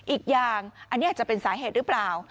อีกอย่างอันนี้อาจจะเป็นสาเหตุหรือเปล่า